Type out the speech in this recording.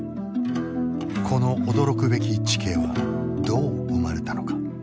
この驚くべき地形はどう生まれたのか？